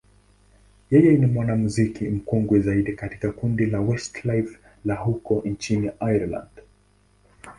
yeye ni mwanamuziki mkongwe zaidi katika kundi la Westlife la huko nchini Ireland.